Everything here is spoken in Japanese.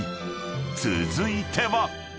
［続いては］